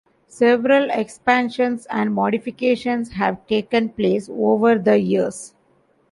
Several expansions and modifications have taken place over the years.